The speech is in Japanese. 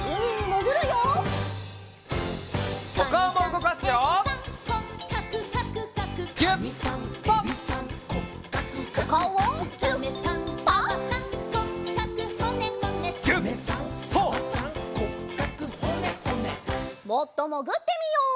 もっともぐってみよう。